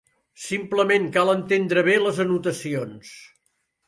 Simplement cal entendre bé les anotacions.